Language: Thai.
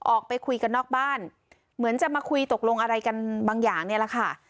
ออกไปคุยกันนอกบ้านเหมือนจะมาคุยตกลงอะไรกันบางอย่างเนี่ยแหละค่ะ